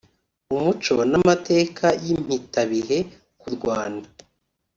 Umuco n’Amateka y’impitabihe ku Rwanda